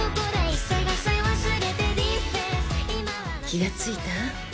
気がついた？